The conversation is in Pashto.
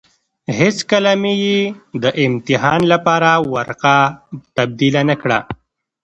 هېڅکله مې يې د امتحان لپاره ورقه تبديله نه کړه.